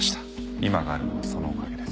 今があるのはそのおかげです。